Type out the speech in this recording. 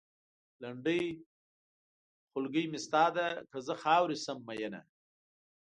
لنډۍ؛ خولګۍ مې ستا ده؛ که زه خاورې شم مينه